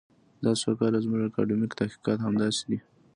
دا څو کاله زموږ اکاډمیک تحقیقات همداسې دي.